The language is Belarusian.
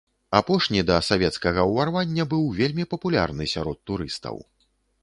Апошні да савецкага ўварвання быў вельмі папулярны сярод турыстаў.